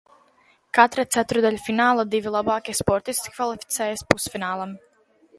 Katra ceturdaļfināla divi labākie sportisti kvalificējās pusfinālam.